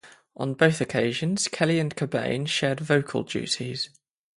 On both occasions, Kelly and Cobain shared vocal duties.